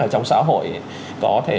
ở trong xã hội có thể